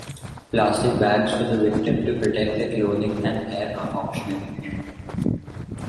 Plastic bags for the victim to protect their clothing and hair are optional.